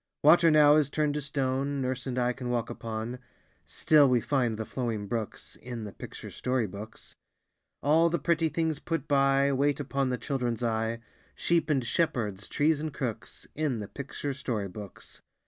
Water now is turned to stone Nurse and I can walk upon; Still we find the flowing brooks In the picture story books. All the pretty things put by, Wait upon the children's eye, Sheep and shepherds, trees and crooks, In the picture story books.